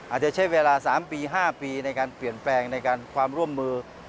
อาจจะใช้เวลา๓ปี๕ปีในการเปลี่ยนแปลงในการความร่วมมือ